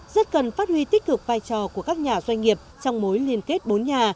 rất cần phát huy tích cực vai trò của các nhà doanh nghiệp trong mối liên kết bốn nhà